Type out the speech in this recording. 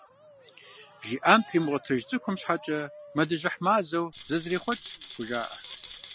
ЖиӀам трамыгъуэтэж цӀыхум щхьэкӀэ «Мэлыжьыхь мазэу зызэрехъуэкӀ» хужаӀэ.